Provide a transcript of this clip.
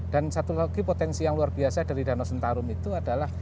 dan satu lagi potensi yang luar biasa dari danau sentarum itu adalah